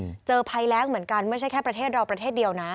เจอภัยแรงเหมือนกันไม่ใช่แค่ประเทศเราประเทศเดียวนะ